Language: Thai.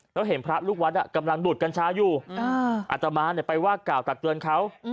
แล้วเห็นพระลูกวัดกำลังดูดกัญชาอยู่อัตมาไปว่ากล่าวตักเตือนเขา